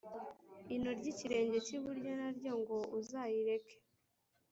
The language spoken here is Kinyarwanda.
ino ry’ikirenge cyiburyo naryo ngo uzayireke"